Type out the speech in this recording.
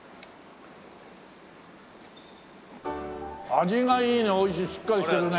味がいいねおいしいしっかりしてるね。